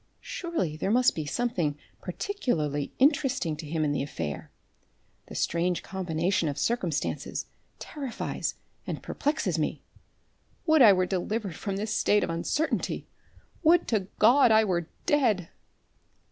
Surely there must be something particularly interesting to him in the affair. The strange combination of circumstances terrifies and perplexes me. Would I were delivered from this state of uncertainty! Would to God I were dead!"